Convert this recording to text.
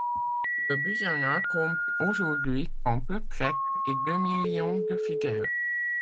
Le Buzan-ha compte aujourd'hui temples, prêtres et deux millions de fidèles.